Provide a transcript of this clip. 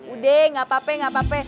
udah gak apa apa